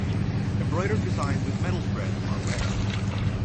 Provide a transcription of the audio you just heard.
Embroidered designs with metal thread are rare.